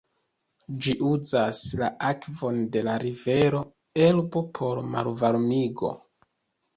Ĝi uzas la akvon de la rivero Elbo por malvarmigo.